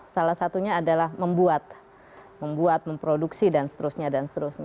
salah satunya adalah membuat memproduksi dan seterusnya